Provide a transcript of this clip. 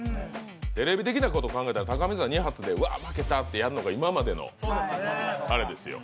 テレビ的なことを考えたら高見沢２発きて、うわ、負けたってやるのが今までの彼ですよ。